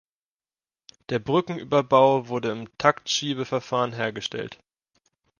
Der Brückenüberbau wurde im Taktschiebeverfahren hergestellt.